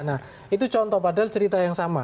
nah itu contoh padahal cerita yang sama